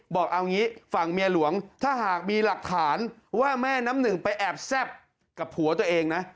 บอกเอางี้ฝั่งเมียหลวงถ้าหากมีหลักฐานว่าแม่น้ำหนึ่งไปแอบแซ่บกับผัวตัวเองนะ